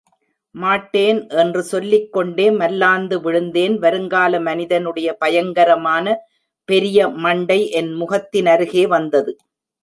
மாட்டேன் என்று சொல்லிக்கொண்டே மல்லாந்து விழுந்தேன் வருங்கால மனிதனுடைய பயங்கரமான பெரிய மண்டை என் முகத்தினருகே வந்தது.